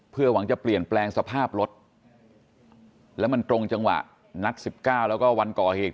เพื่อหวังจะเปลี่ยนแปลงสภาพรถแล้วมันตรงจังหวะนัด๑๙แล้วก็วันก่อเหตุ